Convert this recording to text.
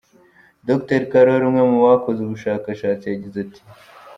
Dr Carroll umwe mu bakoze ubu bushakashatsi yagize ati:.